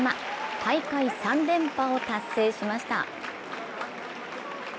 大会３連覇を達成しました。